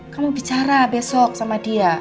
kamu bicara besok sama dia